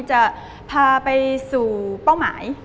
จะพาไปสู่เป้าหมาย